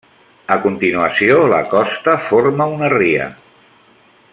A continuació, la costa forma una ria.